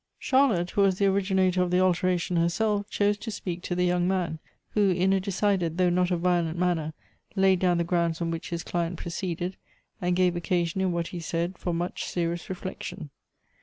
Charlotte, who was the originator of the alteration her self, chose to speak to the young man, who in a decided though not a violent manner, laid down the grounds on which his client proceeded, and gave occasion in what he said for much serious reflection.